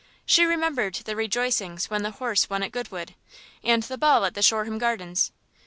She remembered the rejoicings when the horse won at Goodwood, and the ball at the Shoreham Gardens.